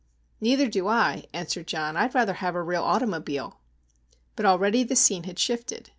"Neither do I," answered John. "I'd rather have a real automobile." But already the scene had shifted.